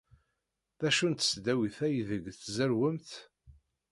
D acu n tesdawit aydeg tzerrwemt?